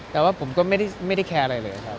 แต่ว่าผมก็ไม่ได้แคร์อะไรเลยครับ